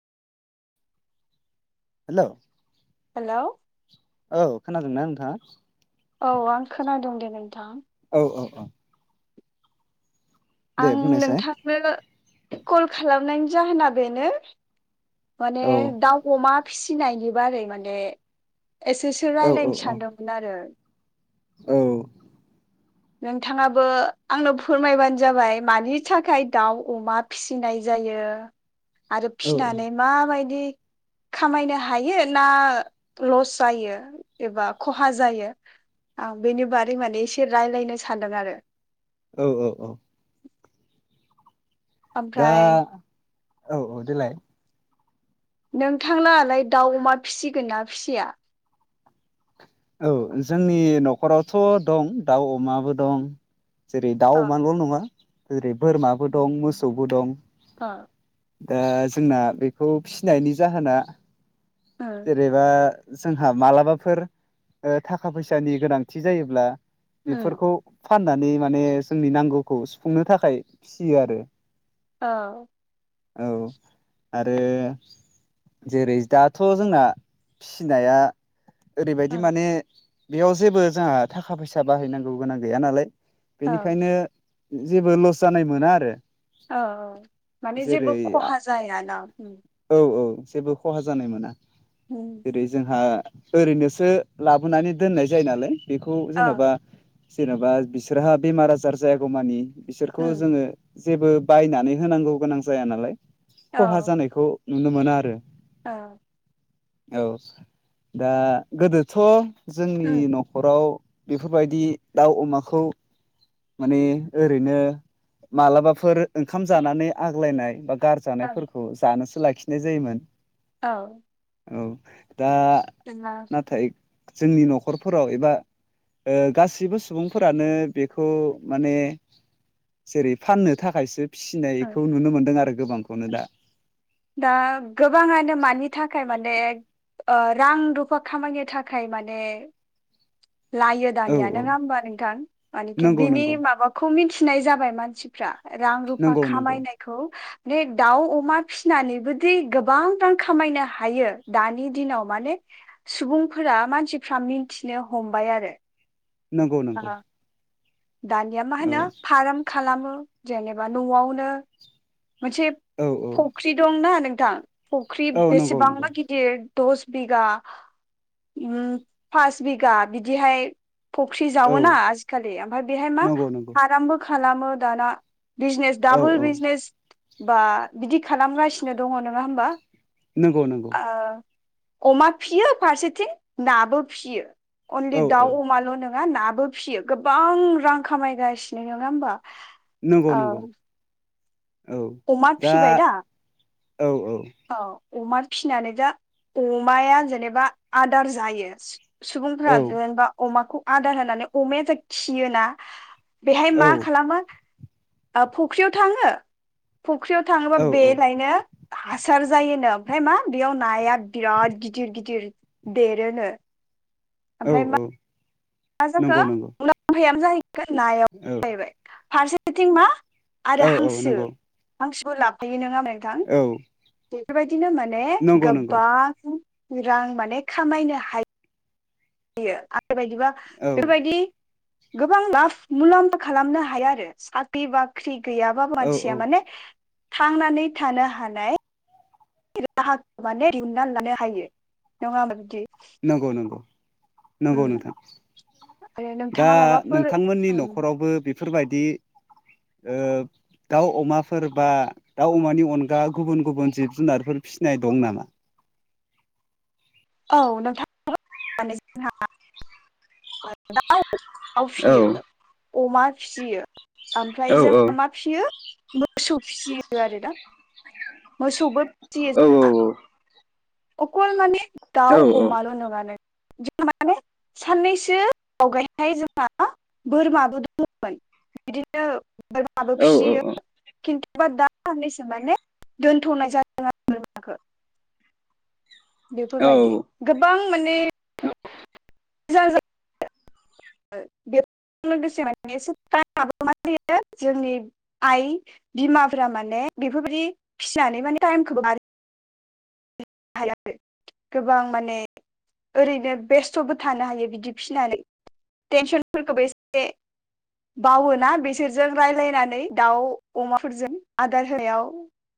हेल' hello औ खोनादोंना नोंथाङा? औ आं खोनादों दे नोंथां। औ औ औ। दे आं बुंनायसाय नोंथांनो कल खालामनायनि जाहोना बेनो माने औ दाउ, अमा फिसिनायनि बारै माने एसेसो औ औ रायज्लायनो औ सानदोंमोन आरो। औ। नोंथाङाबो आंनो फोरमायबानो जाबाय मानि थाखाय दाउ, अमा फिसिनाय जायो। जायो आरो औ फिसिनानै माबायदि। खामायनो हायोना लस जायो एबा खहा जायो। आं बेनि बारै माने एसे रायज्लायनो सानदों आरो। औ -औ -औ। दा ओमफ्राय। औ- औ देलाय नोंथां लाहालाय दाउ, अमा फिसिगोनना फिसिया। औ जोंनि न'खरावथ' दं दाउ अमाबो दं। जेरै दाउ औ अमाल' नङा जेरै बोरमाबो ओ दं मोसौबो दं। दा जोंना बेखौ फिसिनायनि जाहोना ओ जेरैबा जोंहा मालाबाफोर थाखा -फैसानि गोनांथि जायोब्ला ओ बेफोरखौ फाननानै माने जोंनि नांगौखौ सुफुंनो थाखाय फिसियो आरो। औ। औ आरो। जेरै दाथ' जोंना फिसिनाया ओरै बाय बिदि औ माने बेयाव जेबो जोंहा थाखा - फैसा बाहायनांगौ गोनां गैया नालाय। औ बेनिखायनो जेबो लस जानाय मोना आरो। औ - औ माने जेबो जेरै खहा जायाना। औ औ जेबो खहा जानाय मोना जेरै जोंहा ओरैनोसो लाबोनानै दोननाय जायो नालाय बेखौ जेन'बा जेन'बा बिसोरहा बेमार आजार जायागौ मानि बिसोरखौ उम जोङो जेबो बायनानै होनांगौ गोनां जाया नालाय खहा जानायखौ नुनो मोना आरो। औ औ दा गोदोथ' जोंनि न'खराव बेफोरबायदि दाउ अमाखौ माने ओरैनो मालाबाफोर ओंखाम जानानै आग्लायनाय बा गारजानायफोरखौ जानो लाखिनाय जायोमोन। औ औ दा नङा नाथाय जोंनि न'खरफोराव एबा गासिबो सुबुंफोरानो बेखौ माने जेरै फाननो थाखायसो फिसिनायखौ नुनो मोनदों आरो गोबांखौनो दा। दा गोबाङानो मानि थाखाय माने अनेग ओ रां रुफा खामायनो थाखाय माने लायो औ दानिया नङा होमबा नोंथां मानिखि नंगौ बिनि नंगौ माबाखौ मिथिनाय जाबाय मानसिफ्रा। रां रुफा नंगौ नंगौ खामायनायखौ माने दाउ अमा फिसिनानैबोदि गोबां रां खामायनो हायो दानि दिनाव माने सुबुंफोरा दा मानसिफ्रा मिथिनो हमबाय आरो नंगौ नोंथां। ओ, दानिया मा होनो फार्म खालामो जेनेबा न'आवनो मोनसे औ औ फख्रि दंना नोंथां फख्रि औ नंगौ नंगौ बेसेबांबा गिदिर दस बिगा उम फास बिगा बिदिहाय फुख्रि औ जावोना आजिखालि ओमफ्राय बेहाय मा नंगौ नंगौ फार्मबो खालामो दाना। बिजनेस औ दाबो बिजनेस बा बिदि खालामगासिनो दङ नङा होमबा? नंगौ नंगौ। अमा फियो फारसेथिं नाबो फियो अनलि औ औ दाउ अमाल' नों ङा नाबो फियो गोबां रां खामायगासिनो नङा होमबा? नंगौ औ नंगौ। औ अमा फिबाय दा औ औ अमा फिसिनानै दा अमाया जेनेबा आदार जायो। औ सुबुंफोरा जेनेबा अमाखौ आदार होनानै अमाय जे खियोना बेहाय औ मा खालामो फुख्रियाव थाङो फुख्रियाव थाङोबा औ बे लायनो हासार जायोनो ओमफ्राय मा बेयाव नाया बिराद गिदिर गिदिर देरोनो। औ ओमफ्राय मा औ। मा जाखो नंगौ नंगौ उनाव मुलाम्फायानो जाहैगोन नायाव औ जाहैबाय। फारसेथिं मा आरो औ औ हांसो नंगौ। हांसोबो लाफैयो नङा नोंथां औ बेफोरबायदिनो माने नंगौ नंगौ गोबां रां माने खामायनो हायो। आरो बायदिबा औ बेबायदि गोबां लाब मुलाम्फा खालामनो हायो आरो। साख्रि बाख्रि गैयाबाबो औ मानसिया औ माने थांनानै थानो हानाय राहाखौ माने दिुनानै लानो हायो नङा होमबा बिदि? नंगौ नंगौ। नंगौ उम नोंथां। आरो दा नोंथाङा माबाफोर नोंथांमोननि ओं न'खरावबो बे फोरबायदि ओ दाउ अमाफोर बा दाउ अमानि अनगा गुबुन गुबुन जिब जुनारफोर फिसिनाय दं नामा? औ नोंथां जोंहा। दाउ औ फिसियो अमा फियो ओमफ्राय औ जोंहा औ मा फिसियो मोसौ फिसियो आरोना। मोसौबो फिसियो औ जोंहा अकल माने औ दाउ अमाल' नङा नों जोंहा माने साननैसो आवगायहाय जोंहा बोरमाबो दङमोन। बिदिनो बोरमाबो फिसियो औ औ खिन्थु दा साननैसो माने दोनथ'नाय जादों आरो बोरमाखो। औ बेफोरबायदि गोबां माने [unintelligible] बे लोगोसे माने एसे [unintelligible] जोंनि आइ बिमाफोरा माने बेफोरबायदि फिसिनानै माने टाइमखो [unintelligible] गोबां माने ओरैनो बेस्थ'बो थानो हायो बिदि फिनानै टेनसनफोरखौबो एसे बावोना बिसोरजों रायज्लायनानै दाउ अमाफोरजों आदार होनायाव।